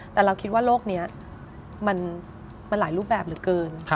แต่เราคิดว่าโลกนี้มันหลายรูปแบบเหลือเกิน